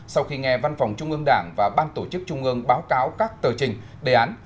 sau khi nghe văn phòng trung ương đảng và ban tổ chức trung ương báo cáo các tờ trình đề án